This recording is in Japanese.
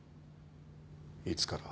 いつから？